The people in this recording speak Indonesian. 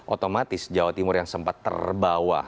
otomatis jawa timur yang sempat terbawa